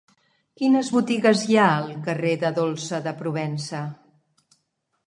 Quines botigues hi ha al carrer de Dolça de Provença?